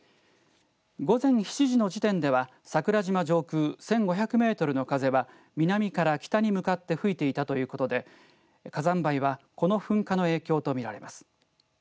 午前７時の時点では桜島上空１５００メートルの風は南から北に向かって吹いていたということで火山灰はこの噴火の影響と見られます。